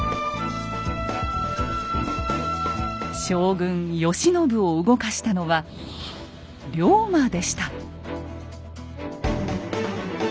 将軍・慶喜を動かしたのは龍馬でした。